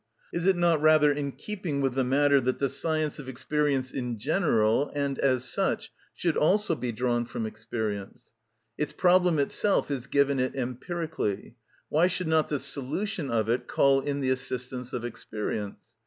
Is it not rather in keeping with the matter that the science of experience in general, and as such, should also be drawn from experience? Its problem itself is given it empirically; why should not the solution of it call in the assistance of experience?